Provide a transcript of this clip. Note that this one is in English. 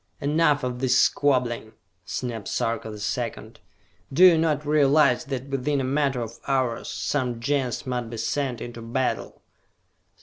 "Enough of this squabbling," snapped Sarka the Second. "Do you not realize that within a matter of hours, some Gens must be sent into battle?